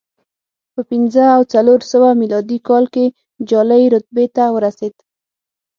په پنځه او څلور سوه میلادي کال کې جالۍ رتبې ته ورسېد